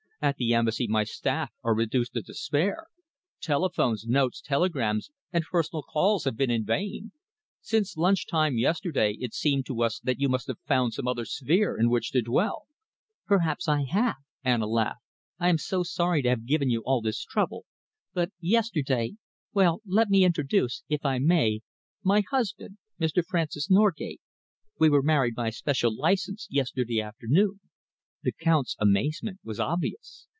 At the Embassy my staff are reduced to despair. Telephones, notes, telegrams, and personal calls have been in vain. Since lunch time yesterday it seemed to us that you must have found some other sphere in which to dwell." "Perhaps I have," Anna laughed. "I am so sorry to have given you all this trouble, but yesterday well, let me introduce, if I may, my husband, Mr. Francis Norgate. We were married by special license yesterday afternoon." The Count's amazement was obvious.